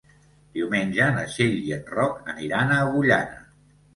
Diumenge na Txell i en Roc aniran a Agullana.